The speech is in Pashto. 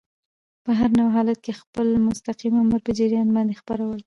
په هر نوع حالت کي خپل مستقیم آمر په جریان باندي خبرول.